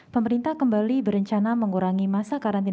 pemerintah kembali berencana mengurangi masalah kesehatan